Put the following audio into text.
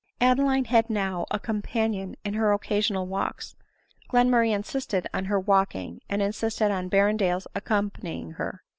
Adeline had now a companion in her occasional walks ; Glenmurray insisted on her walking, and insisted on Ber rendale's accompanying her.